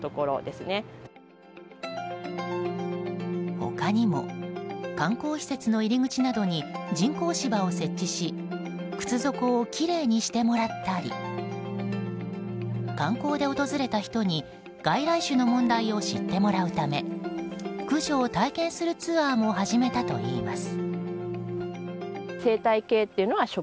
他にも観光施設の入り口などに人工芝を設置し靴底をきれいにしてもらったり観光で訪れた人に外来種の問題を知ってもらうため駆除を体験するツアーも始めたといいます。